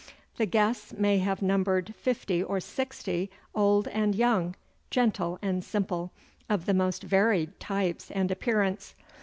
The guests may have numbered fifty or sixty, old and young, gentle and simple, of the most varied types and appearance.